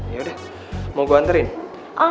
yaudah mau gue anterin